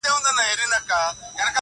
په تیاره کي یې پر زوی باندي نظر سو؛